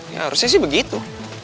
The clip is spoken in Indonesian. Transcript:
ya harusnya sih begitu